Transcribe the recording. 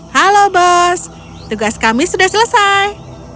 halo bos tugas kami sudah selesai